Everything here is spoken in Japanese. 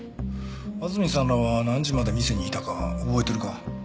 安住さんらは何時まで店にいたか覚えてるか？